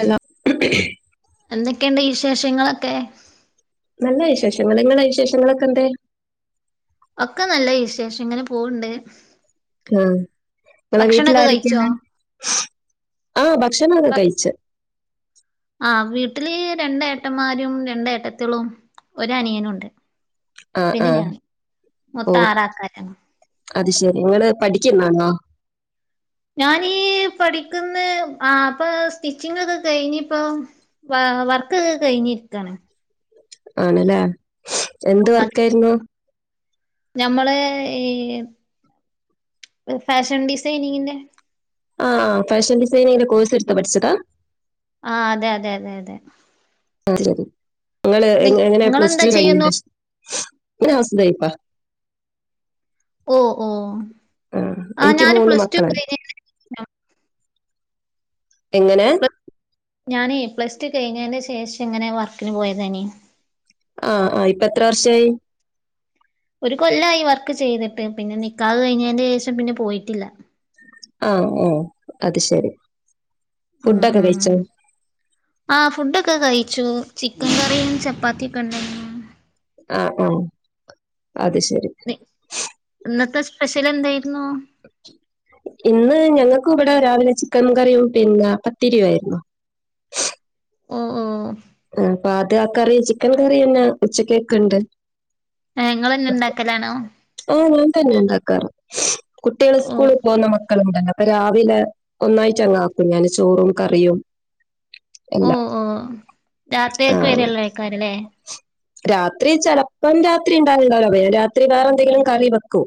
ഇല്ല എന്തൊക്കെയ്ണ്ട് വിശേഷങ്ങളൊക്കെ നല്ല വിശേഷങ്ങള് ഇങ്ങള വിശേഷങ്ങളൊക്കെന്തയ് ഒക്കെ നല്ല വിശേഷം ഇങ്ങനെ പോണ്ട് ആ നിങ്ങളെ വീട്ട്ല് കഴിച്ചോ? ആരെക്കെയാണ് ആഹ ഭക്ഷണൊക്കെ കയ്ച്ച് ആ വീട്ട്ല് രണ്ടേട്ടന്മാരും രണ്ടേട്ടത്ത്യോളും ഒരനിയനുണ്ട് ആ ആ പിന്നെ ഞാൻ മൊത്തം ആറാക്കാരാണ് ങ്ങള് പഠിക്കുന്നാന്നൊ ഞാനീ പഠിക്കുന്ന് ആപ്പ് സ്റ്റിച്ചിങ്ങൊക്കെ കയ്ഞ്ഞിപ്പൊ വ വർക്കൊക്കെ കയ്ഞ്ഞിരിക്കാണ് ആണ്ല്ലേ എന്ത് വർക്കായ്രുന്നു നമ്മള് ഈ ഫാഷൻ ഡിസൈനിങ്ങിന്റെ ആ ആ ഫാഷൻ ഡിസൈനിങ്ങന്റെ കോഴ്സ് എടുത്ത് പഠിച്ചതാ ആഹ അതെ അതെ അതെ അതെ അ ശരി നിങ്ങള് എങ്ങനെ പ്ലസ് നിങ്ങളെന്താ ടു ചെയ്യുന്നു? കയ്ഞെന്റെഷം മ്മഞാഹൗസ് ബൈഫ ഓ ഓ ആഹ എനിക്ക് ഞാന് മൂന്ന് പ്ലസ് ടു മക്കളാണ് കയ്ഞ്ഞെന് ആ എങ്ങനെ ഞാനെ പ്ലസ് ടു കയ്ഞ്ഞെന്റെ ശേഷം ഇങ്ങനെ വർക്കിന് പോയതനി ആഹ ആഹ ഇപ്പെത്ര വർഷായി ഒരു കൊല്ലായി വർക്ക് ചെയ്തിട്ട് പിന്നെ നിക്കാഹ് കയ്ഞ്ഞെന്റെഷം പിന്നെ പോയിട്ടില്ല ആഹ ഓ അത് ഷെരി ഫുഡൊക്കെ കയ്ച്ചോ ആഹ ഫുഡൊക്കെ കയ്ച്ചു ചിക്കൻ കറിയും ചപ്പാത്തി ഒക്കെ ഇണ്ടായ്ര്ന്നു ആഹ ആഹ അത് ശരി നി ഇന്നത്തെ സ്പെഷ്യൽ എന്തായ്രുന്നു ഇന്ന് ഞങ്ങക്കും ഇവിടെ രാവിലെ ചിക്കൻ കറിയും പിന്നെ പത്തിരിയുവായിരുന്നു ഓ ഓ അപ്പആത്യാ കറി ചിക്കൻ കറിഎന്നെ ഉച്ചക്കെക്ക് ണ്ട് ഏ ഇങ്ങളെ ന്നെ ഉണ്ടാക്കലാണോ ഓ ഓം തന്നെ ഇണ്ടാക്കാറ് കുട്ടികള് ഓ സ്കൂളി പോന്ന മ മക്കളുണ്ടല്ല അപ്പ രാവിലെ ഒന്നായ്റ്റങ്ങാക്കും ഞാന് ചോറും കറിയും ഓ എല്ലാം ഓ ആ, രാത്രിയേക്കെ വെരെള്ള ആയ്ക്കാരല്ലേ രാത്രി ചെലപ്പം രാത്രി ഇണ്ടാവലിണ്ടാവികാരം പിന്നെ രാത്രി വേറെന്തെങ്കിലും കറി വെക്കും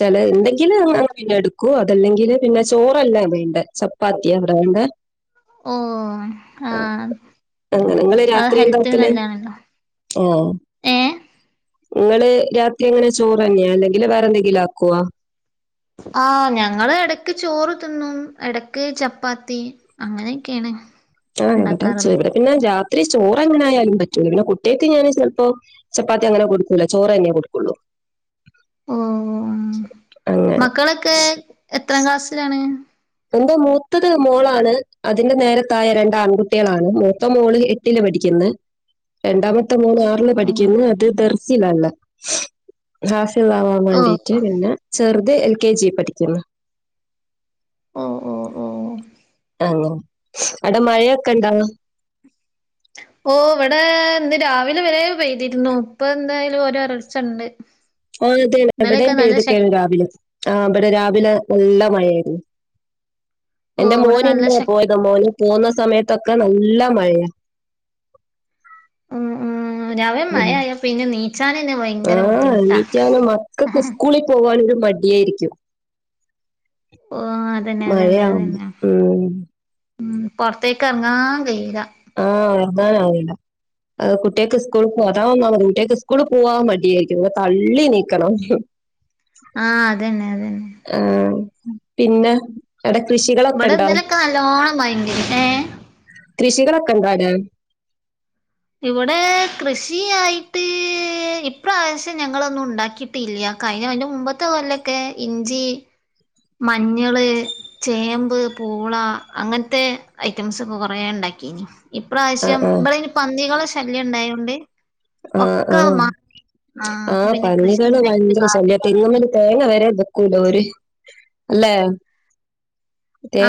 ചെല ഇണ്ടെങ്കില് അങ്ങ അങ്ങ പിന്നെടുക്കൂ അതല്ലെങ്കില് പിന്നെ ചോറല്ലാ വേണ്ടെ ചപ്പാത്തിയാ ഇവടെ വേണ്ടെ ഓ ആ അങ്ങനെ അത് ഹെൽത്തിന് ന്നല്ലാണല്ലോ ഓ എഹ് നിങ്ങള് രാത്രി എങ്ങനെ ചോറെന്യയാ അല്ലെങ്കില് വേറെന്തെങ്കിലും ആക്കുവൊ ആ ഞങ്ങള് എടക്ക് ചോറ് തിന്നും എടക്ക് ചപ്പാത്തി അങ്ങനെയൊക്കെണ് ആ ഇവടേം ചെ വ്ടെപിന്നെ രാത് ഇത്രേ ചോറെങ്ങനെ ആയാലും പറ്റുലല്ലോ കുട്ട്യേക്ക് ഞാന് ചെലപ്പോ ചപ്പാത്തി അങ്ങനെ കൊടുക്കൂല ചോറെന്നെ കൊടുക്കുള്ളൂ ഓ അങ്ങനെ മക്കളൊക്കെ എത്രാം ക്ലാസ്സിലാണ് എന്റെ മൂത്തത് മോളാണ് അതിന്റെ നേരെത്തായെ രണ്ടാആൺകുട്ട്യേളാണ് മൂത്ത മോള് എട്ടില് പഠിക്ക്ന്ന് രണ്ടാമത്തെ മോന് ഓ ആർല് ഓ പഠിക്ക്ന്ന് അത് ദർസിലാലാ ഹാഫ് ഇള്ളാവാൻ ഓ ഓ വേണ്ടീട്ട് പിന്നെ ചെറുത് എൽ കെ ജി പഠിക്കുന്നു ഓ ഓ ഓ അ അവിടെ മഴയൊക്കെ ഇണ്ടാ ഓ ഇവിടെ ഇന്ന് രാവിലെ വരെ പെയ്തിരുന്നു ഇപ്പ എന്തായാലും ഓരോ ഒരൾച്ച ഉണ്ട് ആ അതെയ ഇന്നലെയൊക്കെ ഇവിടെയും നല്ല ശക് പെയ്തിക്കേണ് രാവിലെ ആ ഇവിടെ രാവിലെ നല്ല മഴയായിരുന്നു ഓ എന്റെ ഇവിടെ മോന് നല്ല ഇന്ന് ശക് പോയത് മോന് പോന്നു സമയത്തൊക്കെ നല്ല മഴയ ഉം ഉം രാവിലെ മഴയായ പിന്നെ നീച്ചാനന്നെ ആ ഭയങ്കര ബുദ്ധിമുട്ടാ എനിക്കാനും മക്കക്ക് സ്കൂളിൽ പോകാനൊരു മടി യായിരിക്കും ഓ അതന്നെ അതന്നെ മഴയാകുംമ്പോ അതന്നെ ഉം ഉം പൊറത്തേക്ക് എറങ്ങാൻ കൈയെല ആഹ് എറങ്ങാനാവില്ല കുട്ടികക്ക് സ്കൂളിൽ പോവാൻ അതാണ് ഒന്നാമത് കുട്ട്യാൾക്ക് സ്കൂളിൽ പോവാൻ മടി ആയിരിക്കും ഇങ്ങനെ തള്ളി നീക്കണം ആഹ് അതന്നെ അതന്നെ ആ, പിന്നെ അവിടെ കൃഷികളൊക്കെ ഇവിടെ ഉണ്ടോ ഇന്നലൊക്കെ നല്ലോണം മഴ ണ്ടേനി ഏ കൃഷികളൊക്കെ ണ്ടോ അവടെ ഇവിടെ കൃഷിയായിട്ട് ഇപ്രാവശ്യം ഞങ്ങളൊന്നും ഉണ്ടാക്കിട്ടില്ല കഴിഞ്ഞ അതിന് മുമ്പത്തെ കൊല്ലൊക്കെ ഇഞ്ചി മഞ്ഞള് ചേമ്പ് പൂള അങ്ങനത്തെ ഐറ്റംസ് ഒക്ക കൊറേ ഉണ്ടായി ഇ് ആ പ്രാവശ്യം ആ ഇവിടെ ഇനി പന്നികള് ശല്യം ഉണ്ടായതോൊണ്ട് ഒക്കെ മാ അപ്പൊ ആഹ് പിന്നെ കൃഷി പന്നികള് ഉണ്ടാക്കിട്ട് ഭയങ്കര ശല്യ കാര്യല്ല തെങ്ങ്മ്മല് തേങ്ങ വരെ ലര് അല്ലേ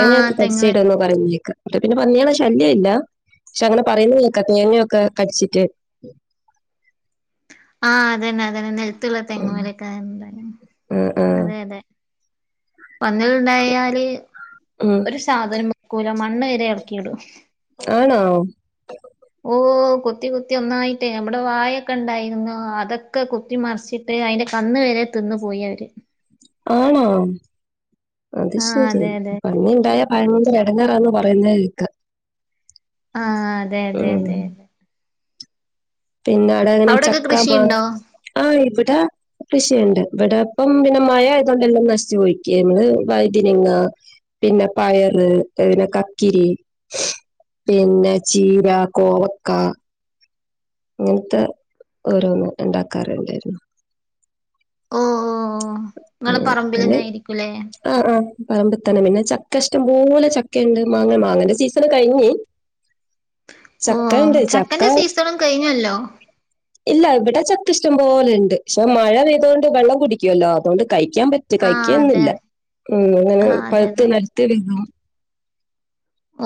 ആഹ് തെങ്ങ് കച്ചടന്നോ പറത്തേക്ക പിന്നെ പന്നികളെ ശല്യം ഇല്ല പക്ഷെ അങ്ങനെ പറയുന്നതൊക്കെ തേങ്ങയൊക്കെ കടിച്ചിട്ട് ആഹ് അതന്നെ അത തന്നെ നെൽത്തുള്ള തെങ്ങ് മലേക്കാരം ഉം ഉം വന്നുണ്ടായാല് ഉം. ഒരു സാധനം വക്കൂല മണ്ണ് വരെ ഇറക്കിടും ആണോ ഓ കുത്തി കുത്തി ഒന്നായിട്ട് നമ്മടെ വായൊക്കെ ഉണ്ടായിരുന്നു അതൊക്കെ കുത്തി മറിച്ചിട്ട് അതിന്റെ കന്ന് വരെ തിന്നു പോയി അവര് ആണോ അത് ആഹ് ശരിയ അതെ അതെ അതെ പന്നിയുണ്ടായ ഭയങ്ക എടങ്ങറാന്ന് പറയുന്നേക്ക് ആഹ് അതെ അതെ അതെ അതെ പിന്നെ അട അങ്ങനെ അവിടൊക്കെ ചക്ക മാ കൃഷിയുണ്ടോ ആഹ് ഇവിടെ കൃഷിയുണ്ട് ഇവിടെപ്പം പിന്നെ മഴ ആയത് കൊണ്ട് എല്ലാം നശിച്ച് പൊയിരിക്കുക നമ്മള് വൈതനങ്ങ പിന്നെ പയറ് കക്കിരി പിന്നെ ചീര കോവക്ക അങ്ങനത്തെ ഓരോന്ന് ഉണ്ടാക്കാറണ്ടായിരുന്നു ഓ ഓ നിങ്ങളെ ഉം പിന്നെ പറമ്പിലന്നെ ആയിരിക്കൂലേ ആ ആ പറമ്പിൽത്തനെ പിന്നെ ചക്ക ഇഷ്ടം പോലെ ചക്ക ഉണ്ട് മാങ്ങ മാങ്ങന്റെ സീസൺ കഴിഞ്ഞ് ഓ ചക്ക ഉണ്ട് ചക്ക ചക്കന്റെ സീസണും കഴിഞ്ഞല്ലോ ഇല്ല ഇവിടെ ചക്ക ഇഷ്ടം പോലെ ഉണ്ട് പക്ഷെ മഴ പെയ്തൊണ്ട് വെള്ളം കുടിക്കുവല്ലോ അതുകൊണ്ട് കഴിക്കാൻ പറ്റും ആഹ് അതെ കഴിക്കന്നില്ല ഉം അങ്ങനെ ആഹ് അതെ പഴുത്ത് അതെ നലത്തി വികും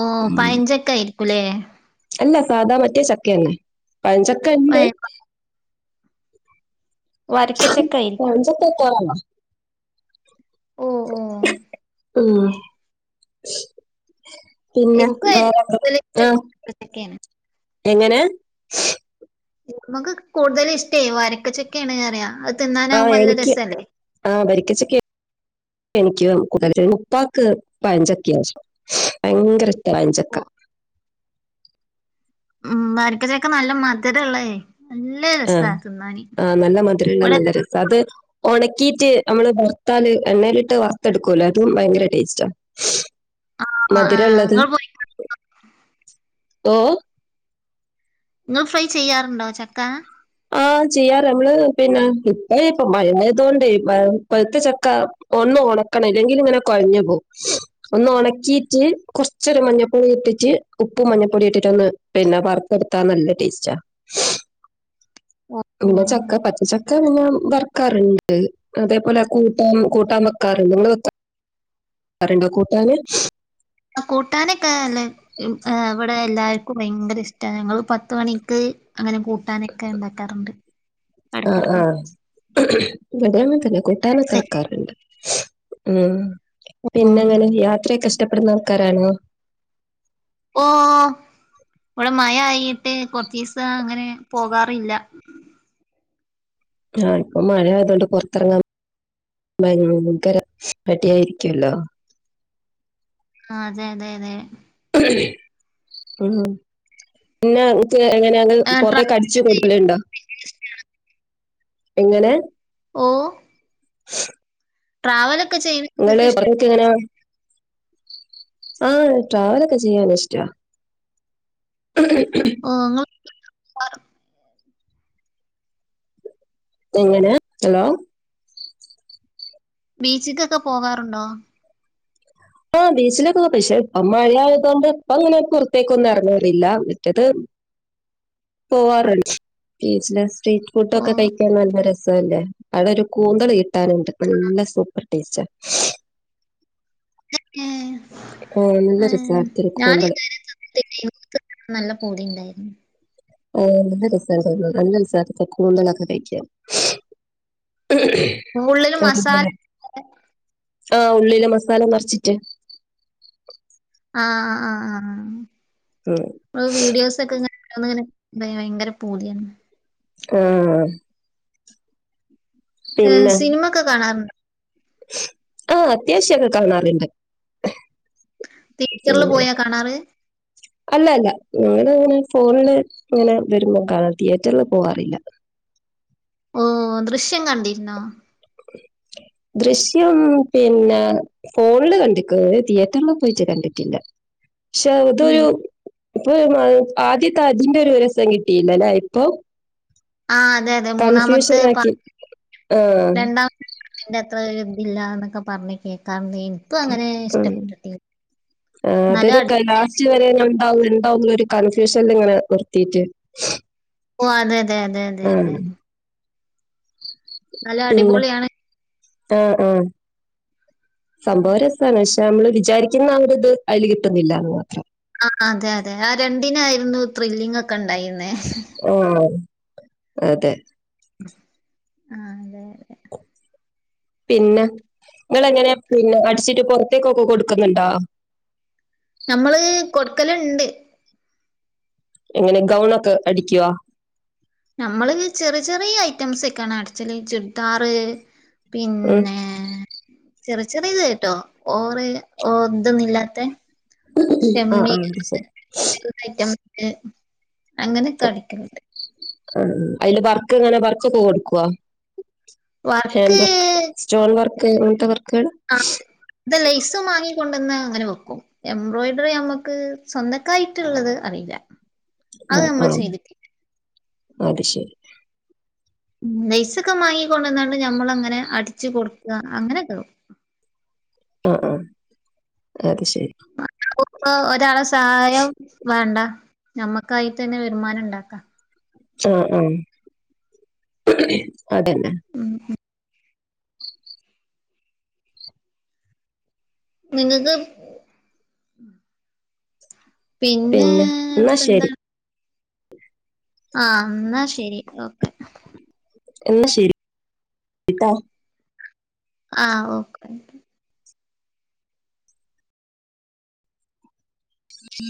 ഓ പയഞ്ചക്കായിരിക്കുലേ അല്ല സാധാ മറ്റേ ചക്കയന്നെ പയഞ്ചക്ക ഉണ്ട് വരക്കച്ചക്കയി പറണം ഓ ഓ ഉം പിന്നെ എനിക്കും ഏറ്റവും വേറെ കൂടുതൽ ഇഷ്ടം ആഹ് വരിക്കച്ചക്കയാണ് എങ്ങനെ നമുക്ക് കൂടുതല് ഇഷ്ടേ വരക്കച്ചക്കെയാണ് അറിയ ആഹ് എനിക്ക് ആ വരിക്കച്ചക്കെ കൂ മുപ്പാക്ക് പഞ്ചൊക്കെ ആം ഭയങ്കര പഴഞ്ചക്ക ഉം വരക്കച്ചൊക്കെ നല്ല മധര ഉള്ളേ ആഹ ആഹ നല്ല മതിരള്ള ഇവിടെ നല്ല രസം അത് ഉണക്കീയിട്ട് നമ്മള് വറുത്താല് എണ്ണയിലിട്ട് വറുത്തെടുക്കുവല്ലോ അതും ഭയങ്കര ടേസ്റ്റാ ആ, ആ, മധുരംള്ളത് നിങ്ങൾ പോയി ഓ നിങ്ങൾ ഫ്രൈ ചെയ്യാറുണ്ടോ ചക്ക ആഹ ചെയ്യാറ് നമ്മള് പിന്നെ ഇപ്പ ഇപ്പ മഴയതോണ്ട് പൊഴുത്ത ചക്ക ഉണ്ടാക്കണം ണല്ലെങ്കിൽ ഇങ്ങനെ കൊഴ ഒന്ന് ഉണക്കിട്ട് കൊറച്ച മഞ്ഞപ്പ ഇട്ടിട്ട് ഉപ്പ മഞ്ഞപ്പൊടി ഇട്ടിട്ടൊന്ന് പിന്നെ വറുത്തെടുത്താ നല്ല ടേസ്റ്റാ പിന്ന ഉം. ചക്ക പച്ച ചക്ക ക്ക വർക്കാറുണ്ട് അതേപോലെ കൂട്ടാൻ കൂട്ടാൻ വെക്കാറുണ്ട് നിങ്ങക്ക വെക്കാറ്ണ്ടോ കൂട്ടാന് ആ കൂട്ടാനൊക്കെ അല്ലെ് ഇവിടെ എല്ലാവർക്കും ഭയങ്കര ഇഷ്ടമാണ് ഞങ്ങള്ൾ പത്ത മണിക്ക് അങ്ങനെ കൂട്ടാനൊക്കെ ഉണ്ടാക്കാറുണ്ട് ആ ആഹ ഇടക്കിടക്കൊക്കെ ഇവിടെ അങ്ങന്നെ തന്നെ കൂട്ടാനൊക്കെ ശരി. വെക്കാറുണ്ട് ഉം പിന്നെ ഉം. അങ്ങനെ യാത്രയൊക്കെ ഇഷ്ടപ്പെടുന്ന ആൾക്കാരണോ? ഓ ഇവിടെ മയ ആയിട്ട് കൊറച്ചീസം അങ്ങനെ പോകാറില്ല. ആഹ ഇപ്പൊ മഴ ആയതുകൊണ്ട് പുറത്തിറങ്ങാ ഭയങ്കര പട്ടിയായിരിക്കുവല്ലോ. ആ അതെ അതെ അതെ ഉ പി എങ്ങനെ അങ്ങ് ആ, പറ ട്രാ- കടിച്ചു കൊടുലുണ്ടോ എങ്ങനെ ഓ [inaudible] ട്രാവൽ നിങ്ങള് പറഞ്ഞക്ക എങ്ങനയാ ആഹ ട്രാവലൊക്കെ ചെയ്യാന ഇഷ്ടാ ആ എങ്ങനെ ഹലോ ബീച്ചിക്കൊക്കെ പോകാറുണ്ടോ? ആഹ ബീച്ചിലൊക്കെ പോ പക്ഷേ ഇപ്പ മഴ ആയത കൊണ്ട് ഇപ്പ അങ്ങനെ പുറത്തേക്ക ഒന്നും ഇറങ്ങറില്ല മറ്റത് [inaudible] പോവാറുണ്ട് സ്ട്രീറ്റ് ഫുഡ ഓ ഒക്കെ കഴിക്കാൻ നല്ല രസല്ലേ അവിടെ ഒരു കൂന്തള കിട്ടാനുണ്ട് നല്ല സൂപ്പർ ടേസ്റ്റ. ആ രസായിരുന്നു ഇത്തിരി കൂന്തള് ഞാനിതുവരെ തിന്നിട്ടില്ല നല്ല പൂതി ഇണ്ടായിരുന്നു ആ നല്ല രസ നല്ല രസൊക്കെ കൂന്തലൊക്കെ കഴിക്കാം കൂടുതലും മസാല അതുപോലെ ആഹ ഉള്ളില മസാല നിറച്ചിട്ട് ആഹ ആ ആ ഉം ആ വീഡിയോസ് ഒക്കെ ഇങ്ങെ നെങ്ങനെ ഭയങ്കര പൂതിയന്ന് ആഹ സിനിമൊക്കെ കാണാറുണ്ട് ആഹ അത്യാവശ്യൊക്കെ കാണാറുണ്ട് തിയേറ്ററിൽ പോയാ കാണാറ്? അല്ല അല്ല നിങ്ങ അങ്ങനെ ഫോണില് ഇങ്ങനെ വരുമ്പോ കാണും തിയേറ്ററിില് പോവാാറില്ല ഓ ദൃശ്യം കണ്ടിര്ന്നോ ദൃശ്യം പിന്നെ ഫോണില് കണ്ടിക്ക്ണ് തിയേറ്ററില് പോയേച്ച് കണ്ടിട്ടില്ല ഉ [inaudible] ക്ഷേ തൊരു [unintelligible] ആദ്യത്തെ അതിൻ്റൊരു രസം കിട്ടിയില്ല ലേ ഇപ്പം ആ അതെ അതെ [unintelligible] മൂന്നാമത്തെ ആക്കി ആഹ് [inaudible] രണ്ടാമ അതിന്റെ അത്ര ഒരുതില്ലാന്നൊക്കെ പറഞ്ഞേക്കാ മീൻപ്പു അങ്ങനെ ഉം ഇഷ്ടപ്പെട്ടിട്ടില്ല നല്ല [unintelligible] ണ്ടാവും ഉണ്ടാവും ന്നൊരു കൺഫ്യൂഷൻ ല് നിങ്ങെ നിർത്തിട്ട്- - ഓ അതെ അതെ അതെ അതെ അതെ നല്ല അടിപൊളിയാണ് ആ ആഹ് സംഭവം രസാണ് പക്ഷെ നമ്മള് വിചാരിക്കുന്ന ആ ഒരിത് അതില് കിട്ടുന്നില്ലാന്ന് മാത്രം ആ അതെ അതെ ആ രണ്ടിനായിരുന്നു ത്രില്ലിങ് ഒക്കെ ഉണ്ടായി ആഹ് അതെ ആഹ് അതെ അതെ. പിന്നെ ഇങ്ങളെങ്ങനെ പിന്നെ അടിച്ചിട്ട് പൊറത്തേക്കൊക്കെ കൊടുക്കുന്നുണ്ടോ ക്കല്ണ്ട് എങ്ങനെ ഗൗണൊക്കെ അടിക്കോ നമ്മള് ചെറിയ ചെറിയ ഐറ്റംസ് ഒക്കെയാണ് അടച്ചല് ചുര്ദാറ് ഉം പിന്നെ ചെറിയ ചെറിയ ഇത്ട്ടോ ഓറെ ഓർ തൊന്നുല്ലാത്തെ ആഹ് ശെമ്മി ആഹ് അത് ശരി. [inaudible] അങ്ങനത്തെ ഐറ്റം അങ്ങനൊക്കെ അടിക്കല്ണ്ട് ആ അതില് വർക്ക് ഇങ്ങനെ പർച്ചൊക്കെ കൊടുക്കോ ഹാൻഡ് വർക്ക് സ്റ്റോൺ വർക്ക് അങ്ങനെത്തെ വർ ആ [inaudible] ത ലൈസും മാങ്ങിക്കൊട് ത്തെന്നാ അങ്ങനെ വെക്കും എംബ്രോയ്ഡറി നമ്മക്ക് സ്വന്തക്കായിട്ട്ള്ളത് അറീല്ല അത് ആഹ് നമ്മൾ ആഹ് ചെയ്തിട്ടില്ല അത് ശരി ലൈസൊക്കെ വാങ്ങിക്കൊണ്ടന്നാണ്ട് നമ്മള് അങ്ങനെ അടിച്ചു കൊട്ക്ക അങ്ങനെയൊക്കെ കൊ ആഹ് ആഹ് അത് ശരി ഇപ്പ ഒരാളെ സഹായം വേണ്ട നമ്മക്കായിട്ട് തന്നെ വരുമാനം ഇണ്ടാക്ക ആഹ് ആഹ് അതെന്നെ ഉം നിങ്ങക്ക് പിന്നെ ന്നാ ഇപ്പ ശരി എന്താണ് ആഹ് ന്നാ ശരി ഓക്കെ എന്നാ ശരി ട്ടോ ആഹ് ഓക്കെ അ